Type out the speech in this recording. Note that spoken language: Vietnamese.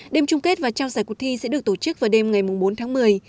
đêm chung kết và trao giải cuộc thi sẽ được tổ chức vào đêm ngày bốn tháng một mươi